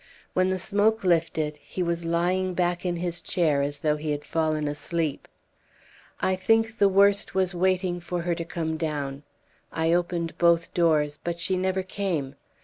When the smoke lifted, he was lying back in his chair as though he had fallen asleep ... "I think the worst was waiting for her to come down. I opened both doors, but she never came.